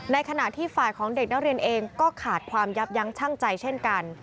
ขณะที่ฝ่ายของเด็กนักเรียนเองก็ขาดความยับยั้งชั่งใจเช่นกัน